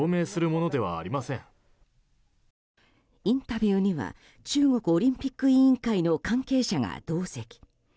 インタビューには中国オリンピック委員会の関係者が同席。